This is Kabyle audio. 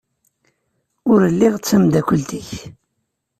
Ur lliɣ d tamdakelt-ik.